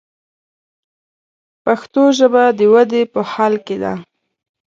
پښتو ژبه د ودې په حال کښې ده.